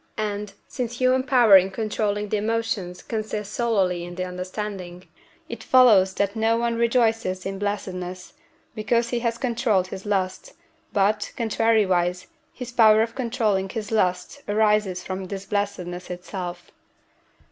And, since human power in controlling the emotions consists solely in the understanding, it follows that no one rejoices in blessedness, because he has controlled his lusts, but, contrariwise, his power of controlling his lusts arises from this blessedness itself.